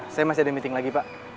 saya masih ada meeting lagi pak